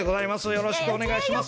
よろしくお願いします。